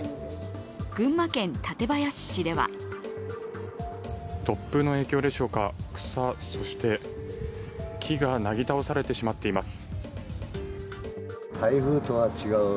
群馬県館林市では突風の影響でしょうか、草、そして木がなぎ倒されてしまっています。